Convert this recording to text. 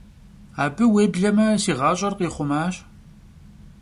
Абы, уеблэмэ, си гъащӀэр къихъумащ.